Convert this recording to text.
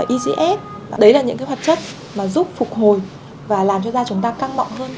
ecf đấy là những hoạt chất mà giúp phục hồi và làm cho da chúng ta căng mọng hơn